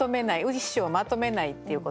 一首をまとめないっていうこと。